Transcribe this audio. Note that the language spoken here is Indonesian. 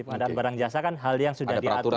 pengadaan barang jasa kan hal yang sudah diatur